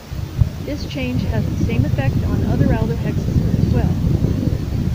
This change has the same effect on the other aldohexoses as well.